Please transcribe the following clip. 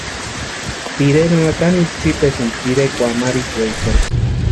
Pireri ma kanikwa tsipesïnti pirekwani marikwaechani.